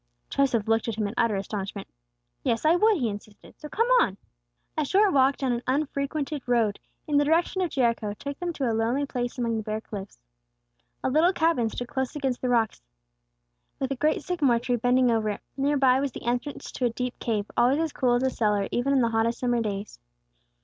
Joseph looked at him in utter astonishment. "Yes, I would," he insisted; "so come on!" A short walk down an unfrequented road, in the direction of Jericho, took them to a lonely place among the bare cliffs. A little cabin stood close against the rocks, with a great sycamore tree bending over it. Near by was the entrance to a deep cave, always as cool as a cellar, even in the hottest summer days.